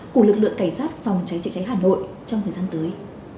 của lực lượng cảnh sát phòng cháy chữa cháy hà nội trong thời gian tới